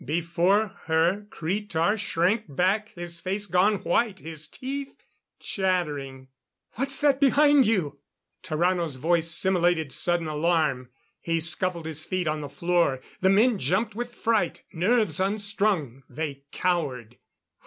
Before her Cretar shrank back, his face gone white, his teeth chattering. "What's that behind you?" Tarrano's voice simulated sudden alarm; he scuffled his feet on the floor. The men jumped with fright; nerves unstrung, they cowered.